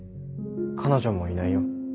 彼女もいないよ。